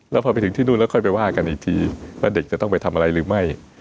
แล้วพอไปถึงที่นู่นแล้วค่อยไปว่ากันอีกทีว่าเด็กจะต้องไปทำอะไรหรือไม่